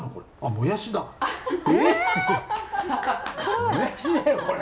もやしだよこれ。